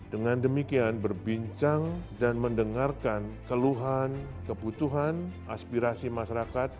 dengan demikian berbincang dan mendengarkan keluhan kebutuhan aspirasi masyarakat